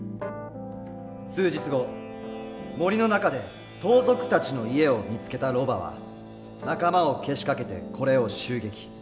数日後森の中で盗賊たちの家を見つけたロバは仲間をけしかけてこれを襲撃。